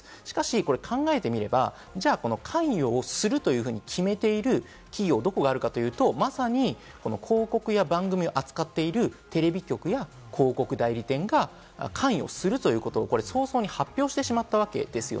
しかし、考えてみればじゃあ、関与すると決めている企業、どこがあるかというと、まさに広告や番組を扱っているテレビ局や広告代理店が関与するということを早々に発表してしまったわけです。